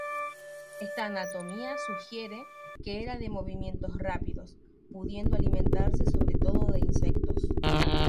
Esta anatomía sugiere que era de movimientos rápidos, pudiendo alimentarse sobre todo de insectos.